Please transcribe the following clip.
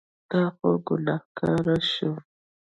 ته خو ګناهګار شوې.